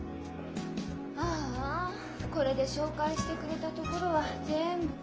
ああこれで紹介してくれた所は全部黒星。